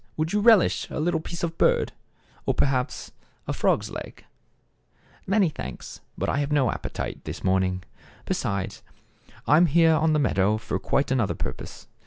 Would you relish a little piece of bird, or, perhaps, a frog's leg ?"" Many thanks ; but I have no appetite this morning. Besides, I am here on the meadow for quite another purpose.